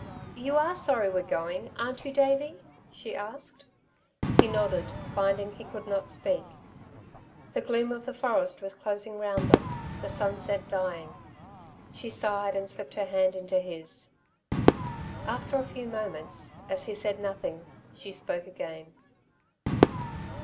"You are sorry we're going, aren't you, Davey?" she asked. He nodded, finding he could not speak. The gloom of the forest was closing round them, the sunset dying. She sighed and slipped her hand into his. After a few moments, as he said nothing, she spoke again.